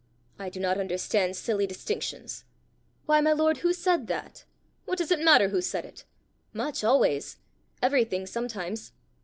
"I do not understand silly distinctions." "Why, my lord, who said that?" "What does it matter who said it?" "Much always; everything sometimes."